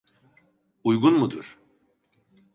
Uygun mudur?